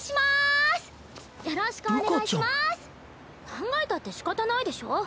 考えたってしかたないでしょ。